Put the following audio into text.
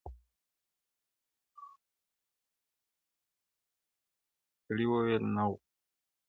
سړي وویل نه غواوي نه اوښان سته-